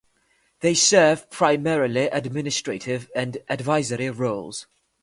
They serve primarily administrative and advisory roles.